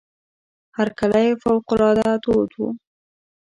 هرکلی فوق العاده تود وو.